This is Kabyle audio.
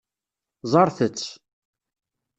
Ẓṛet-tt.